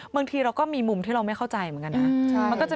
บางทีเราก็มีมุมที่เราไม่เข้าใจเหมือนกันนะ